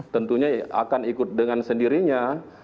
tentunya akan ikut dengan sendirinya